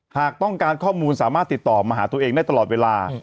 หากต้องการข้อมูลสามารถติดต่อมาหาตัวเองได้ตลอดเวลา